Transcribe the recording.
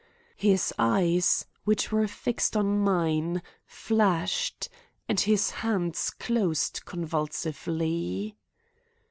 His eyes, which were fixed on mine, flashed, and his hands closed convulsively.